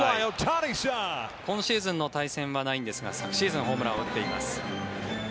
今シーズンの対戦はないんですが昨シーズンホームランを打っています。